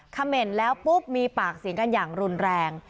เขม่นแล้วปุ๊บมีปากเสียงกันอย่างรุนแรง